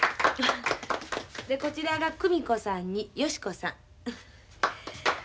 でこちらが久美子さんにヨシ子さん。